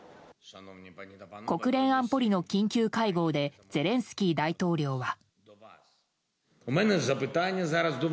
国連安保理の緊急会合でゼレンスキー大統領は。